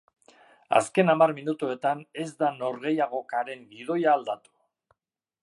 Azken hamar minutuetan, ez da norgehiagokaren gidoia aldatu.